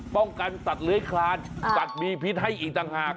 ป้องกันตัดเหลือคลานตัดมีพิษให้อีกต่างหาก